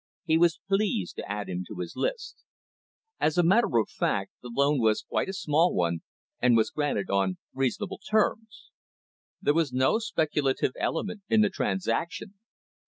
He was pleased to add him to his list. As a matter of fact, the loan was quite a small one, and was granted on reasonable terms. There was no speculative element in the transaction.